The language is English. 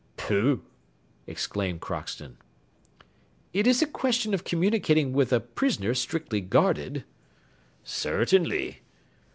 "Pooh!" exclaimed Crockston. "It is a question of communicating with a prisoner strictly guarded." "Certainly."